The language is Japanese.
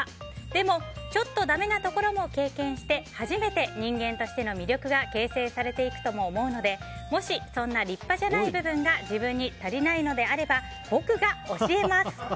でも、ちょっとダメなところも経験して初めて人間としての魅力が形成されていくとも思うのでもし、そんな立派じゃない部分が自分に足りないのであれば僕が教えます。